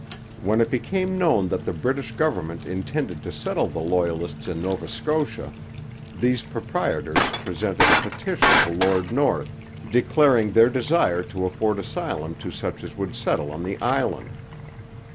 When it became known that the British government intended to settle the Loyalists in Nova Scotia, these proprietors presented a petition to Lord North, declaring their desire to afford asylum to such as would settle on the island.